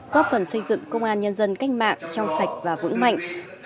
góp phần xây dựng công an nhân dân cách mạng trong sạch và vững mạnh